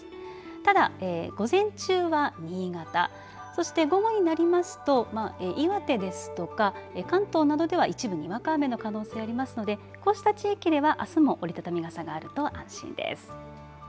ただ、午前中は新潟そして午後になりますと岩手ですとか関東などでは一部にわか雨の可能性もありますのでこうした地域ではあすも折り畳み傘があると安心です。